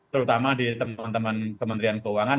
terutama di teman teman kementerian keuangan